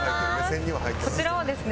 こちらはですね